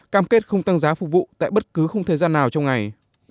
cam kết không tăng giá phục vụ tại bất cứ không thời gian nào trong ngày